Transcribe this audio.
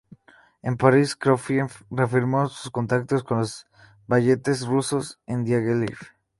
En París, Prokófiev reafirmó sus contactos con los Ballets Rusos de Diáguilev.